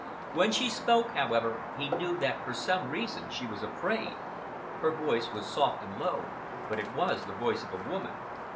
When she spoke, however, he knew that for some reason she was afraid. Her voice was soft and low, but it was the voice of a woman.